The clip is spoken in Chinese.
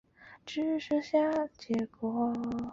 特奥兰迪亚是巴西巴伊亚州的一个市镇。